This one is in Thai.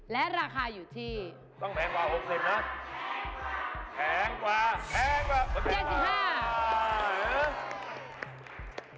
และราคาอยู่ที่ต้องแพงกว่า๖๐นะแพงกว่าแพงกว่า